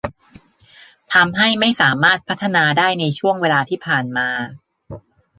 ทำให้ไม่สามารถพัฒนาได้ในช่วงเวลาที่ผ่านมา